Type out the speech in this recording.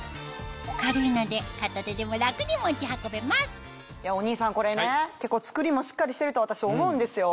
軽いので片手でも楽に持ち運べますお兄さんこれね結構作りもしっかりしてると私思うんですよ。